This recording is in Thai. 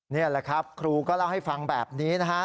นี่แหละครับครูก็เล่าให้ฟังแบบนี้นะฮะ